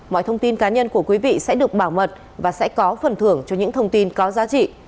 mọi thông tin cá nhân của quý vị sẽ được bảo mật và sẽ có phần thưởng cho những thông tin có giá trị